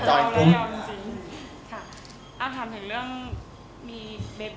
อาจจะเดินทางสักพักนึงก่อนครับ